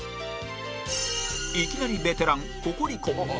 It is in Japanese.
いきなりベテランココリコ